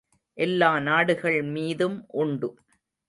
எல்லா நாடுகள் மீதும் உண்டு.